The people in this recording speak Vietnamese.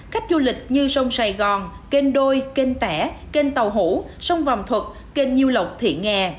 cách du lịch như sông sài gòn kênh đôi kênh tẻ kênh tàu hũ sông vòng thuật kênh nhu lộc thị nghè